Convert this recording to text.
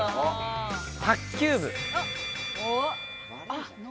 卓球部。